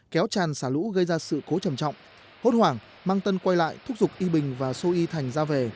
hốt tràn xả lũ gây ra sự cố trầm trọng hốt hoảng mang tân quay lại thúc giục y bình và sô y thành ra về